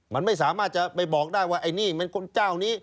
มันไม่สามารถจะไปบอกได้ว่าไอ้นี่มันคนเจ้านี้